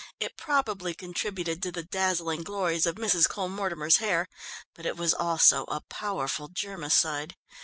It probably contributed to the dazzling glories of Mrs. Cole Mortimer's hair, but it was also a powerful germicide.